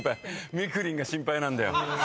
みくりんが心配なんだよ。